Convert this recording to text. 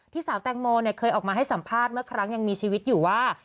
สาวแตงโมเคยออกมาให้สัมภาษณ์เมื่อครั้งยังมีชีวิตอยู่ว่า